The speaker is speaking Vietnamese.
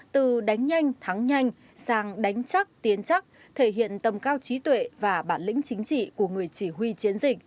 từ đánh nhanh thắng nhanh sang đánh chắc tiến chắc thể hiện tầm cao trí tuệ và bản lĩnh chính trị của người chỉ huy chiến dịch